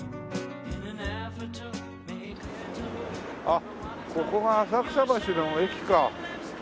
あっここが浅草橋の駅か。